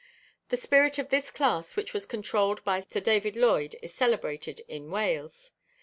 The spirit of this class which was controlled by Sir David Llwyd is celebrated in Wales.